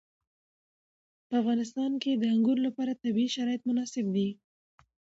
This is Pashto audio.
په افغانستان کې د انګورو لپاره طبیعي شرایط مناسب دي.